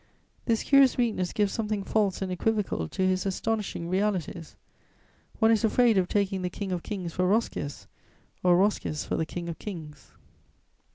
This curious weakness gives something false and equivocal to his astonishing realities: one is afraid of taking the king of kings for Roscius, or Roscius for the king of kings.